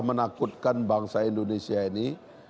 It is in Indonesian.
menakutkan bangsa indonesia ini